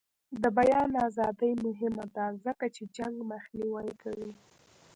د بیان ازادي مهمه ده ځکه چې جنګ مخنیوی کوي.